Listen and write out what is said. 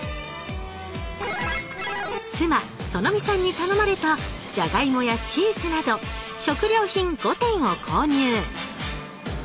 妻苑未さんに頼まれたじゃがいもやチーズなど食料品５点を購入